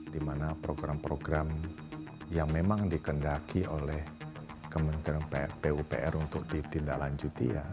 di mana program program yang memang dikendaki oleh kementerian pupr untuk ditindaklanjuti ya